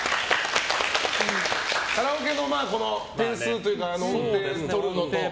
カラオケの点数というか音程取るのと。